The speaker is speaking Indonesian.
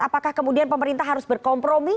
apakah kemudian pemerintah harus berkompromi